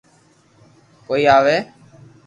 ڪوئي آوي